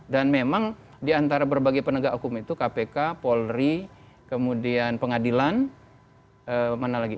dan memang di antara berbagai penegak hukum itu kpk polri kemudian pengadilan mana lagi